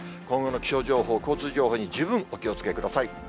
今後の気象情報、交通情報に十分お気をつけください。